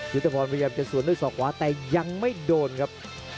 ยุทธพรพยายามจะสวนด้วยศอกขวาแต่ยังไม่โดนครับ